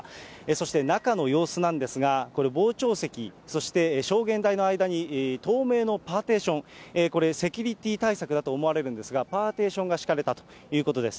そして、中の様子なんですが、これ、傍聴席、そして証言台の間に透明のパーティション、これ、セキュリティー対策だと思われるんですが、パーティションが敷かれたということです。